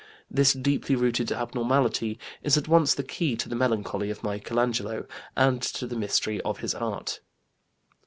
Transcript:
This deeply rooted abnormality is at once the key to the melancholy of Michelangelo and to the mystery of his art.